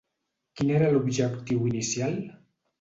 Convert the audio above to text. Quin era l'objectiu inicial?